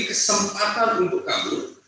kesempatan untuk kabur